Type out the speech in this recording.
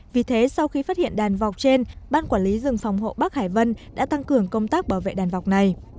vì thế sau khi phát hiện đàn vọc trên ban quản lý rừng phòng hộ bắc hải vân đã tăng cường công tác bảo vệ đàn vọc này